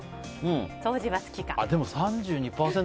掃除は好きか。